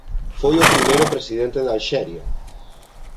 Foi o primeiro presidente de Alxeria.